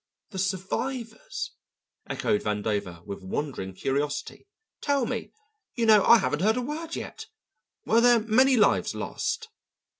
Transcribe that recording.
"The survivors!" echoed Vandover with wondering curiosity. "Tell me you know I haven't heard a word yet were there many lives lost?"